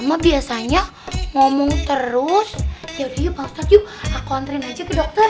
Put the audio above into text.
mah biasanya ngomong terus yaudah yuk pak ustadz yuk aku anterin aja ke dokter